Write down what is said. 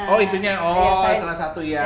oh itunya salah satu ya